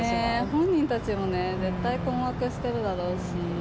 本人たちもね、絶対困惑してるだろうし。